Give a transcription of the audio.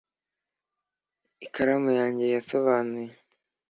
ikaramu yanjye yasobanuye,